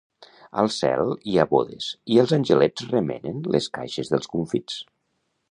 Al cel hi ha bodes i els angelets remenen les caixes dels confits.